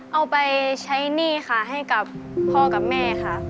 เอาไปใช้หนี้ค่ะให้กับพ่อกับแม่ค่ะ